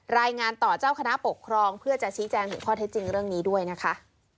รายงานต่อเจ้าคณะปกครองเพื่อจะชี้แจงถึงข้อเท็จจริงเรื่องนี้ด้วยนะคะ